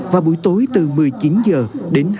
và buổi tối từ một mươi chín h đến hai mươi một h